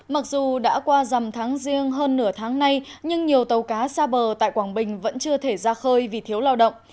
mặc dù đã qua dầm tháng riêng hơn nửa tháng nay nhưng nhiều tàu cá xa bờ tại quảng bình vẫn chưa thể ra khơi vì thiếu lao động